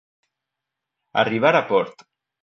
Arribar a port.